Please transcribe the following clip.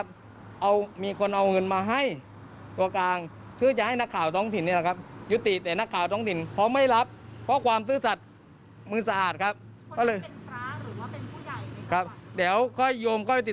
เดี๋ยวมันจะได้รู้เร็วนี้ครับติดตัวนี้